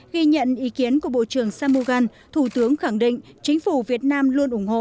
ghi nhận ý kiến của bộ trưởng samugan thủ tướng khẳng định chính phủ việt nam luôn ủng hộ